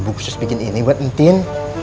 ibu khusus bikin ini buatin tin